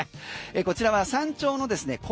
こちらは山頂のですね